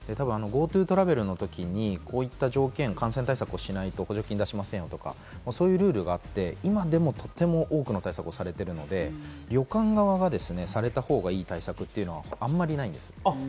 ＧｏＴｏトラベルのときにこういった条件、感染対策をしないと補助金出しませんよとかいうルールもあって、今でも、とても多くのルールをされているので旅館側がされたほうがいい対策はあまりないんです。